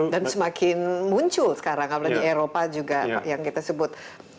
dan semakin muncul sekarang apalagi eropa juga yang kita sebut